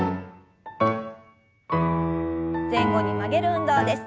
前後に曲げる運動です。